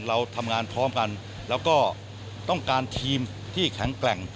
เราทำงานพร้อมกันแล้วก็ต้องการทีมที่แข็งแกร่ง